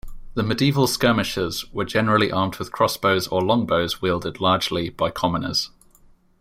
The medieval skirmishers were generally armed with crossbows or longbows wielded largely by commoners.